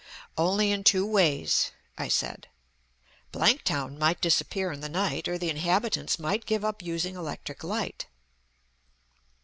"Only in two ways," I said. "Blanktown might disappear in the night, or the inhabitants might give up using electric light."